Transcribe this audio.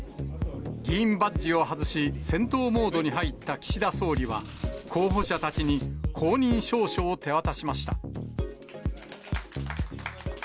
議員バッジを外し、戦闘モードに入った岸田総理は、候補者たちに公認証書を手渡しました。